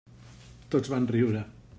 Tots van riure.